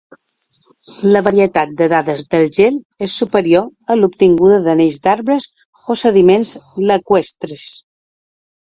La varietat de dades del gel és superior a l'obtinguda d'anells d'arbres o sediments lacustres.